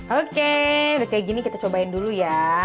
oke udah kayak gini kita cobain dulu ya